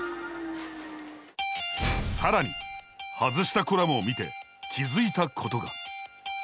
更に外したコラムを見て気づいたことが！